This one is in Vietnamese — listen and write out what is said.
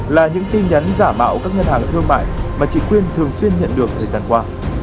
là những tin nhắn giả mạo các ngân hàng thương mại mà chị quyên thường xuyên nhận được thời gian qua